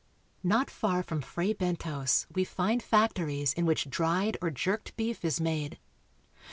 Not far from Fray Bentos we find factories in which dried or jerked beef is made.